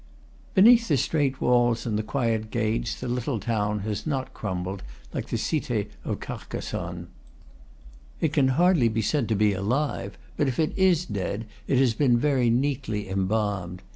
Behind the straight walls and the quiet gates the little town has not crumbled, like the Cite of Carcas sonne. It can hardly be said to be alive; but if it is dead it has been very neatly embalmed.